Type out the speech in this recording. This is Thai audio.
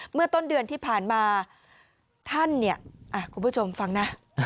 เมื่อต้นเดือนที่ผ่านมาท่านเนี่ยคุณผู้ชมฟังนะ